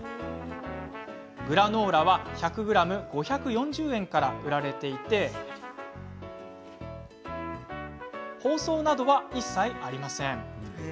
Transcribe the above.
グラノーラは１００ｇ５４０円から売られていて包装などは一切ありません。